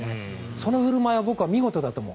その振る舞いは僕は見事だと思う。